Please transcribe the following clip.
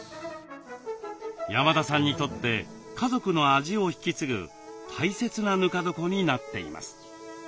山田さんにとって家族の味を引き継ぐ大切なぬか床になっています。